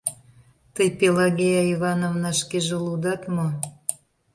— Тый, Пелагея Ивановна, шкеже лудат мо?